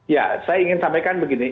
ya saya ingin sampaikan begini